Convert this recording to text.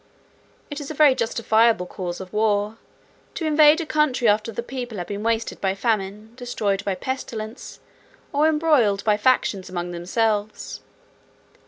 It is a very justifiable cause of a war, to invade a country after the people have been wasted by famine, destroyed by pestilence, or embroiled by factions among themselves.